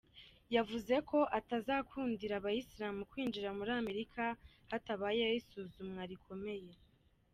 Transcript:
Yavuze ko atazakundira abasilamu kwinjira muri Amerika hatabayeho isuzumwa rikomeye.